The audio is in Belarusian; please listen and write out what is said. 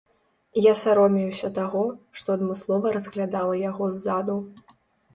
Я саромеюся таго, што адмыслова разглядала яго ззаду.